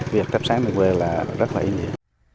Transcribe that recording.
việc thắp sáng đường quê là rất là ý nghĩa